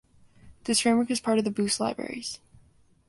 This framework is part of the Boost libraries.